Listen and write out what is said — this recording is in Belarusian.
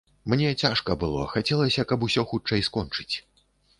Мне цяжка было, хацелася, каб усё хутчэй скончыць.